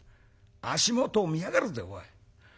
足元を見やがるぜおい。